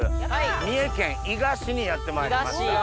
三重県伊賀市にやってまいりました。